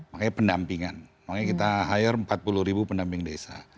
makanya pendampingan makanya kita hire empat puluh ribu pendamping desa